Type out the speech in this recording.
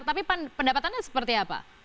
tapi pendapatannya seperti apa